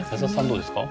どうですか？